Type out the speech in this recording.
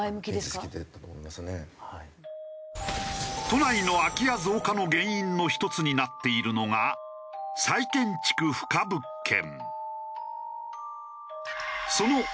都内の空き家増加の原因の１つになっているのが再建築不可物件。